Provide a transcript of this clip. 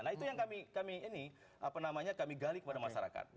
nah itu yang kami ini kami gali kepada masyarakat